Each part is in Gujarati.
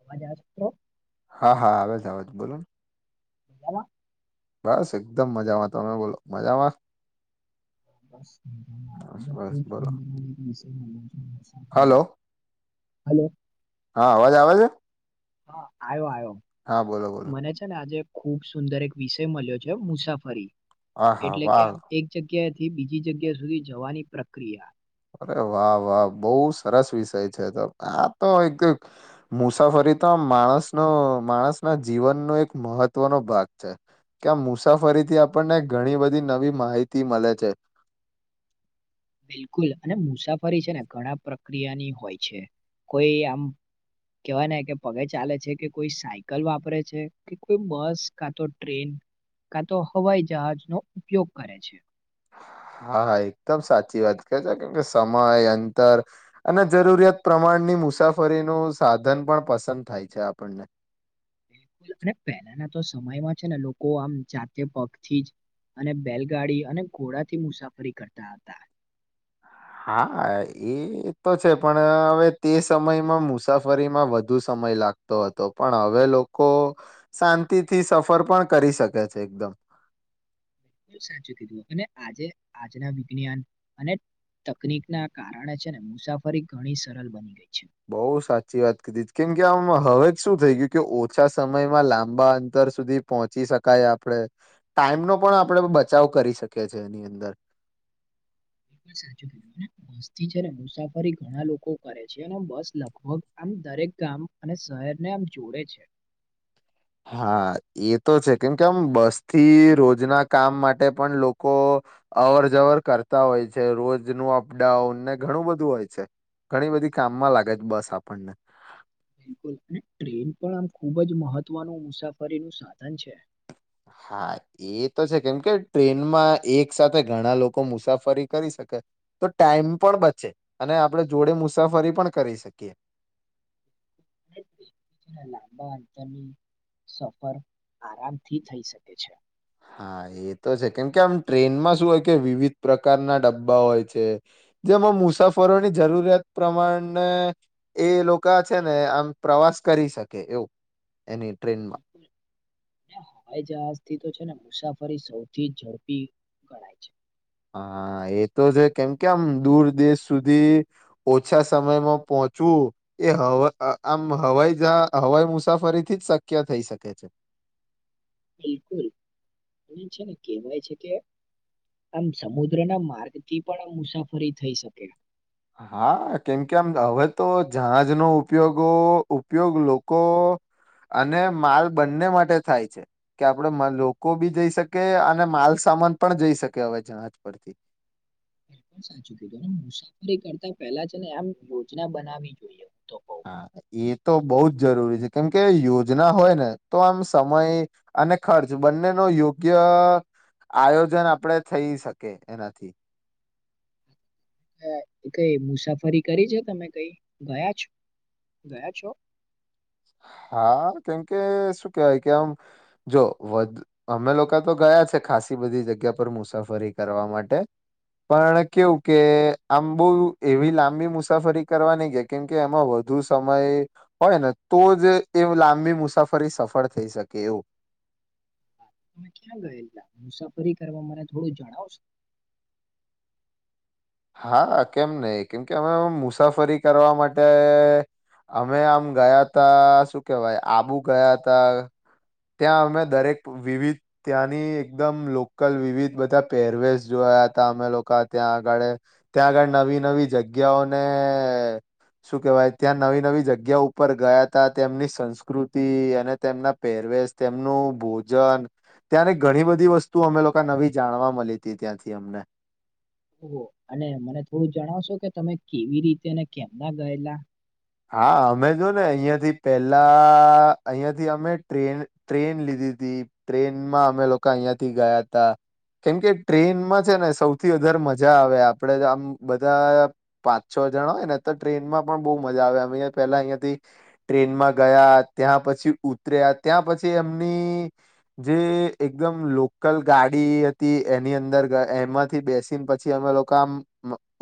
અવાજ આવો હા હા આવે જ આવેજ બોલો [inaudible] બસ એકદમ મજામાં તમે બોલો મજામાં બસ બસ બોલો [inaudible] હલો હલો હા અવાજ આવેજે હા આવ્યો આવ્યો બોલો મને છે ને આજે ખુબ સુંદર એક વિષય મળ્યો છે મુસાફરી હા હા એટલે કે વાહ આમ એક જગ્યાએ તે બીજી જગ્યા સુધી જવાની પ્રક્રિયા અરે વાહ વાહ બહુ સરસ વિષય છે તો આ તો એક મુસાફરી એ તો માણસનો માણસ ના જીવનનો એક મહત્વનો ભાગ છે. કે મુસાફરીથી આપણને ઘણી બધી નવી માહિતી મલે છે. [inaudible] બિલકુલ અને મુસાફરી છે ને ઘણા પ્રક્રિયાની હોય છે કોઈ આમ કેહેવાય ને કે પગે ચાલે છે કે કોઈ સાયકલ વાપરે છે કે કોઈ બસ કા તો ટ્રેન કા તો હવાઈ જહાજનો ઉપયોગ કરે છે. હા હા એકદમ સાચી વાત કે છે કેમ કે સમય અંતર અને જરૂરિયાત પ્રમાણની મુસાફરીનું સાધન પણ પસંદ થાય છે આપણને [unintelligible] પેલાના તો સમયમાં છે ને લોકો આમ જાતે પગથી જ અને બેલગાડી અને ઘોડાથી મુસાફરી કરતા હતા. હા એ તો છે પણ હવે તે સમયમાં મુસાફરીમાં વધુ સ મય લાગતો હતો પણ હવે લોકો શાંતિથી સફર પણ કરી શકે છે એકદમ સાચું કીધું અને આજે આજના વિજ્ઞાન અને તકનીક ના કારણે છે ને મુસાફરી ઘણી સરળ બની ગઈ છે. બઉ સાચી વાત કધી કેમ કે આમ હવે શું થઈ ગયું કે ઓછા સમયમાં લાંબા અંતર સુધી પહોંચી શકાય આપણે ટાઈમ નો પણ આપણેે બચાવ કરી શકીએ છીએ એની અંદર [inaudible] સાચું બસ થી જ મુસાફરી ઘણા લોકો કરે છે અને બસ લગભગ આમ દરેક ગામ અને શહેરને આમ જોડે છે. હા એ તો છે કેમ કેમ બસ થી રોજના કામ માટે પણ લોકો અવર જવર કરતા હોય છે રોજ નુ અપડાઉન ને ઘણું બધું હોય છે. ઘણી બધી કામમાં લાગે બસ આપણને બિલકુલ અને ટ્રેન પણ આમ ખુબ જ મહત્વનું મુસાફરીનું સાધન છે. હા એ તો છે કેમ કે ટ્રેનમાં એક સાથે ઘણા લોકો મુસાફરી કરી શકે તો ટાઈમ પણ બચે અને આપણે જોડે મુસાફરી પણ કરી શકીએ. [inaudible] લાંબા અંતરની સફર આરામથી થઈ શકે છે. હા એ તો છે કેમ કે આમ ટ્રેનમાં શું હોય કે વિવિધ પ્રકારના ડબ્બા હોય છે. જેમાં મુસાફરોની જરૂરિયાત પ્રમાણે એ લોકો છે ને આમ પ્રવા શ કરી શકે એવું એની ટ્રેનમાં. હવે જ આસ્થી તો છે ને મુસાફરી સૌથી ઝડપી ગણાય છે. હા એતો છે કેમ કે આમ દૂર દેશ સુધી ઓછા સમયમાં પોહ ચવુ એ હવ આમ હવાઈ હવાઈ મુસાફરી થી જ શક્ય થઈ શકે છે. બિલકુલ અને છે ને કેહેવાય છે કે. આમ સમુદ્રના માર્ગથી પણ આમ મુસાફરી થઈ શકે. હા કેમ કે આમ હવે તો જહાજનો ઉપયોગો ઉપયોગ લોકો. અને માલ બંને માટે થાય છે કે આપડે લોકો બી જઈ શકે અને માલ શ માન પણ જઈ શકે હવે જહાજ પરથી. [inaudible] પણ સાચું કીધું મુસાફરી કરતા પેલા જ ને આમ યોજના બનાવી જોઈએ. કઉ હા એ તો બહુ જ જરૂરી છે કેમકે યોજના હોય ને તો આમ સમય. અને ખર્ચ બંને નો યોગ્ય. આયોજન આપડે થઈ શકે એનાથી. કઈ મુસાફરી કરી છે તમે કઈ ગયા છો? ગયા છો? હા કેમકે શું કેવાય કે આમ જો અમે લોકો તો ગયા છે ખાસ. થી બધી જગ્યા પર મુસાફરી કરવા માટે. પણ કેવું કે આમ બહુ એવી લાંબી મુસાફરી કરવા નહી ગયા કેમ કે અમે વ ધુ સમય હોય ને. તો જ એવું લાંબી મુસાફરી સફળ થઈ શકે એવું. તમે ક્યાં ગયેલા મુસાફરી કરવા મને થોડું જણાવશો? [inaudible] હા કેમ નહી કેમ કે અમે મુસાફરી કરવા માટે અમે આમ ગયા તા શું કેવાય આબુ ગયા તા. ત્યાં અમે દરેક વિવિધ ત્યાંની એકદમ લોકલ વિવિધ બધા પહેરવેેશ જોવા ગયા તા અમે લોકો ત્યાં આગળે ત્યાં આગળ નવી નવી જગ્યાઓને શું કેહેવાય ત્યાં નવી નવી જગ્યા ઉપર ગયા તા તેમની સંસ્કૃતિ અને તેમના પહેરવેશ. તેમનું ભોજન ત્યારે ઘણી બધી વસ્તુ અમે લોકો નવી જાણવા મલી હતી ત્યાંથી અમને. [inaudible] ઓ અને મને થોડું જણાવશો કે તમે કેવી રીતે અને કેમના ગયેલા? હા અમે જો ને અહિયાંયાથી પેલા અહિયાયાથી અમે ટ્રેન ટ્રેન લીધી. ઘી તી ટ્રેન માં અમે લોકો અહિયાંથી ગયા તા. કેમકે ટ્રેનમાં છે ને સૌથી વધારે મજા આવે આપડે આમ બધા પાચો જણા હોય તો ટ્રેનમાં પણ બવ મજા આવે પેલા અહંયાથી ટ્રેનમાં ગયા ત્યાં પછી ઉતર્યા ત્યાં પછી એમ ની જે એકદમ લોકલ ગાડી હતી એની અંદર એમાંથી બેસીને પછી અમે લોકો આમ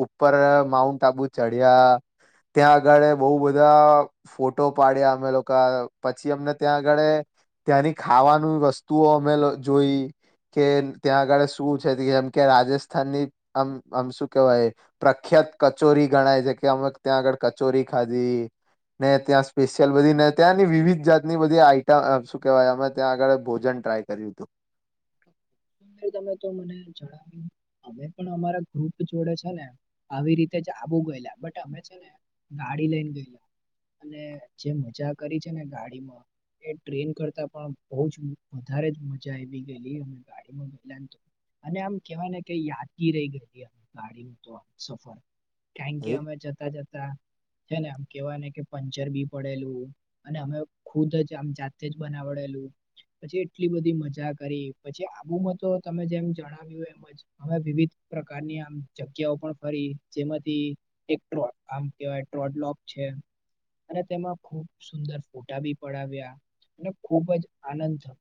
ઉપર માઉન્ટ આબુ ચડ્યા. ત્યાં આગળ બઉ બધા ફોટો પાડ્યા અમે લોકો પછી અમને ત્યાં આગળ ત્યાંની ખાવાની વસ્તુઓ અમે જોઈ. કે ત્યાં આગળ શું છે જેમ કે રાજસ્થાનની આમ આમ શું કેહેવાય પ્રખ્યા ત કચોરી ગણાય છે કે અમે ત્યાં આગળ કચોરી ખાધી. ને ત્યાં સ્પેશિયલ બધી ને ત્યાંની વિવિધ જાતની બધી આઈટમ શું કેહેવાય અમે ત્યાં આગળ ભોજન. ટ્રાય કર્યું તુ. [inaudible] ત તો મને જણાવ્યું અમે પણ અમારા ગ્રુપ જોડે છે ને આવી રીતે જા આબુ ગયેલા બટ અમે છે ને ગાડી લઈને ગયેલા. અને જે મજા કરી છે ને ગાડીમાં. એ ટ્રેન કરતા પણ બહ જ વધારે જ મજા આવી ગયેલી અ ગાડીમાં ગયલા ને તો અને આમ કેવાય ને કે યાદગી રહી ગઈ ગાડીનું તો સફર કારણ કે અમે જતા જતા છે ને આમ કેવા ને કે પંચર બી પડેલું અને અમે ખુદ જ આમ જાતે જ બનાવ ડેલું પછી એટલી બધી મજાક કરી પછી આબુમાં તો તમે જેમ જણાવ્યું એમજ અમે વિવિધ પ્રકારની આમ જગ્યા ફરી જેમાંથી એક આમ કેવાય ટ્રોટલોક છે. અને તેમાં ખુબ સુંદર ફોટા બી પડાવ્યા અને ખુબ જ આનંદ થયો.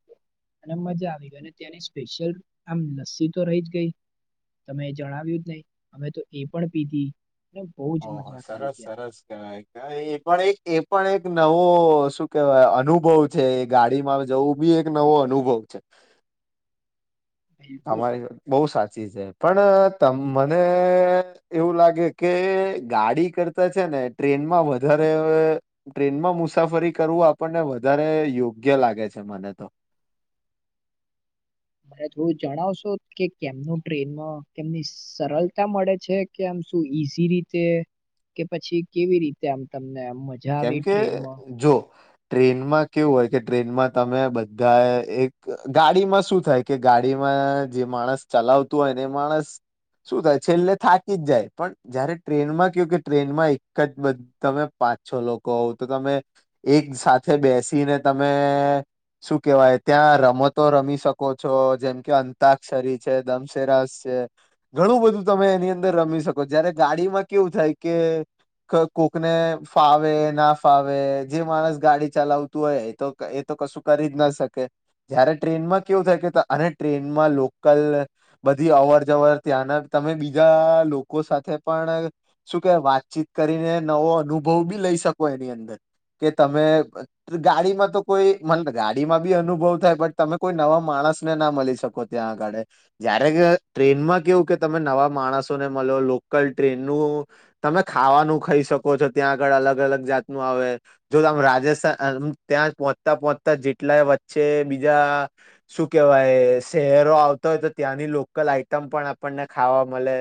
અને મજા આવી ગઈ અને ત્યાંની સ્પેશિયલ આમ લસ્સી તો રહી જ ગઈ. તમે એ જણાવ્યું જ નહી અમે તો એ પણ પીધી. અને બહુ જ ઓહ મજા કરી સરસ ત્યાં સરસ ક ક એ પણ એક એ પણ એક નવો શું કેવાય અનુભવ છે એ ગાડીમાં જવું બી એક નવો અનુભવ [inaudible] [inaudible] બિલકુલ તમારી બહુ સાચી સાી પણમ મને એવું લાગે કે ગાડી કરતા છે ને ને ટ્રેનમાં વધારે ટ્રેનમાં મુસાફરી કરવું આપણને વધારે યોગ્ય લાગે લાગે છે મને તો [inaudible] મને થોડું જણાવશો કે કેમનું ટ્રેનમાં કેમની સરળતા મળે છે કે આમ શું ઈઝી રીતે કે પછી કેવી રીતે આમ તમને મજા કેમ આવે કે ટ્રેનમાં જો ટ્રેનમાં કેવું હોય કે ટ્રેનમાં તમે બધા એક ગાડીમાં શું થાય કે ગાડીમાં જે માણસ ચલાવતું હોયને માણસ શું થાય છેલ્લે થાકી જ જાય પણ જયારે ટ્રેનમાં કહ કે ટ્રેનમાં એક જ તમે પાચ છો લોકો તો તમે એક સાથે બેસીને તમે શું કેવાય ત્યાં રમતો રમી શકો છો. જેમ કે અંતાક્ષરી છે. દમસેરાસ છે. ઘણું બધું તમે એની અંદર રમી શકો જયારે ગાડીમાં કેવું થાય કે ક કોકને ફાવે ના ફાવે જે માણસ ગાડી ચલાવતું હોય એ તો એ તો કશું કરી જ ના શકે. જયારે ટ્રેનમાં કેવું થાય કે અને ટ્રેનમાં લોકલ બધી અવર જવર ત્યાંના તમે બીજા લોકો સાથે પણ શું કે વાતચીત કરીને નવો અનુ ભ બી લઈ શકો એની અંદર કે તમે ગાડીમાં તો કોઈ મ ગાડીમાંબી અનુ થાય તમે કોઈ નવા માણસ ને ના મળી શકો ત્યાં આગળ જયારે ટ્રેનમાં કેવું કે તમે નવા માણસોને મલો લોકલ ટ્રેન નું તમે ખાવાનું ખાઈ શકો છો. ત્યાં આગળ અલગ-અલગ જાત નું આવે. જો આમ રાજસ્થાન ત્યાં પહોંચતા-પહોચતા જેટલા વચ્ચે બીજા શું કેવાય શહેરો આવતો હોય તો ત્યાંની લોકલ આઈટમ પણ આપને ખાવા મળે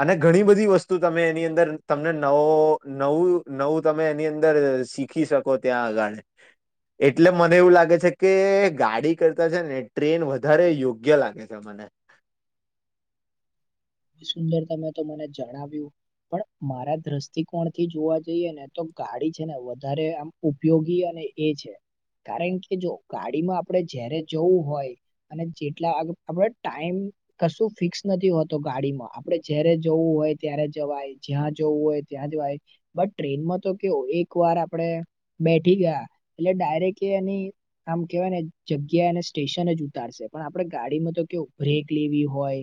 અને ઘણી બધી વસ્તુ તમે એની અંદર તમને નવો નવું-નવું તમે એની અંદર શીખી શકો ત્યાં આગળ. એટલે મને એવું લાગે છે કે ગાડી કરતા છે ને ટ્રેન વધારે યોગ્ય લાગે છે. મને- [unintelligible] સુંદર તમે તો મને જણાવ્યું પણ મારા દ્રષ્ટિકોણ થી જોવા જઈએ ને તો ગાડી છે. ને વધારે આમ ઉપયોગી અને એ છે કારણ કે જો ગાડીમાં આપણેે જારે જવું હોય અને જેટલા આપ ટાઈમ કશું ફિક્સ નથીહોતો. ગાડીમાં આપડે જય્યારે જવું હોય. ત્યારે જવાય જ્યાં જવું હોય ત્યાં જવાય બ ટ્રેનમાં કે એક વાર આપણે બેઠી ગયા એટલે ડાયરેક્ટ એ એની આમ કેવાય ને જગ્યા અને સ્ટેશન જ ઉતારશે પણ આપડે ગાડીમાં તો કેવું બ્રેક લેવી હોય.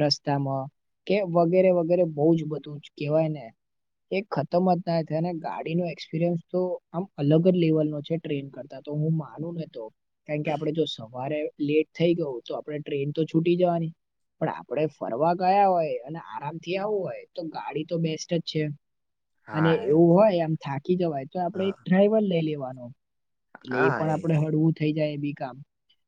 રસ્તામાં કે વગેરે-વગેરે બહુ જ બધું જ કેહેવાય ને એ ખતમજ ના થ અને ગાડીનો એક્સપિરિયન્સ તો આમ અલગ જ લેવલનો છે. ટ્રેન કરતા તો હું માનું નતો કારણ કે આપણે જો સવારે લેટ થઈ ગયું તો આપણે ટ્રેન તો છૂટી જવાની પણ, આપ આપડ ફરવા ગયા હોય, અને આરામ થી આવવું હોય. તો ગાડી તો બેસ્ટ જ છે. અને હા એવું હોય, આમ થાકી જવાય. તો આપડે હા એક ડ્રાઈવર લઈ લેવાનો. એટલે એ પણ આપડે હળવું થઈ જય. બી કામ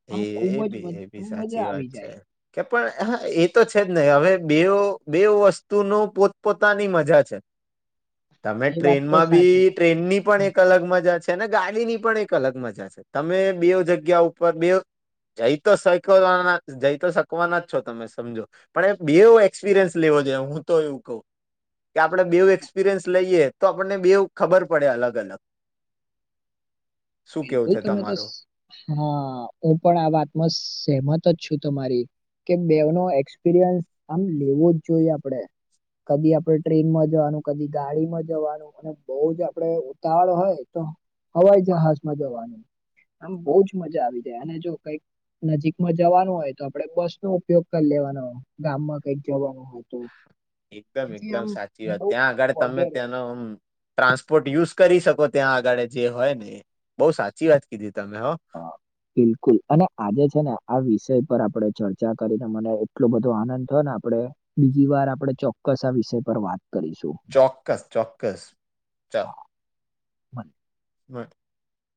એ આમ ખુબ એ જ બી એ બી મજ- મજા સાચી વાત આવી છે, જાય કે પણ હ તો છેજ નહી, હવે બે-બે વસ્તુનુ, પોતપોતાની મજા છે. તમે એ વાત તો ટ્રેનમાં સાચી બી છે ટ્રેનની પણ, એક અલગ મજા છે. તેના ગાડીની પણ એક અલગ મજા છે, તમે બે જગ્યા ઉપર બે જઈ, તો શકવા જઈ, તો શકવાના જ છો તમે સમજો પણ બે એવું, એક્સપિરિયન્સ લેવા હું, તો એવું કઉ. કે આપણેે બેવું એક્સપિરિયન્સ લઈએ, તો આપણને બેવ ખબર પડે અલગ-અલગ બિલકુલ, તમે તો તમારું? હા હું, પણ આ વાતમાં સહેમત જ છું. તમારી કે બેનો એક્સપિરિયન્સ આમ લેવો જ જોઈએ, આપડે. કદી આપડે ટ્રેનમાં જવાનું કદી ગાડીમા જવાનું અને બઉ જ આપડે ઉતાવળ હોય, તો હમ હવાઈ જહાજમાં જવાનું, આમ બહુંજ મજા આવી જાય, અને જો કઈક નજીકમાં જવાનું હોય, તો આપડે બસ નો ઉપયોગ કરી લેવાનો હોય. ગામમાં કઈક જવાનું હોય. તો એકદમ એથી એકદમ આમ સાચી વાત, બહુ ત્યાં આગળ તમે વગેરે ત્યાંનોમ ટ્રાન્સપોર્ટ યુઝ કરી શકો, ત્યાં આગાળ જે હોય, ને એ બઉ સાચી વાત કીધી તમે હો હ બિલકુલ અને આજે છેને, આ વિષય પર આપડણે ચર્ચા કરીને મને એટલો બધો આનંદ થયો, ને આપે બીજી વાર આપદે ચોક્કસ, આ વિષય પર વાત કરીશું. ચોક્કસ ચોક્કસ, ચલ હા [inaudible] પણ